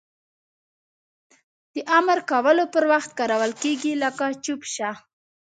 د امر کولو پر وخت کارول کیږي لکه چوپ شه!